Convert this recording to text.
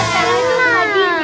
sekarang aku lagi liburan